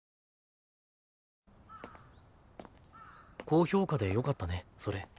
高評価でよかったねそれ。